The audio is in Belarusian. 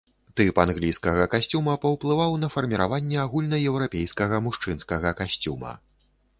Тып англійскага касцюма паўплываў на фарміраванне агульнаеўрапейскага мужчынскага касцюма.